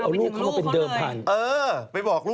อ๋อเอาลูกเขาเป็นเดิมพันธุ์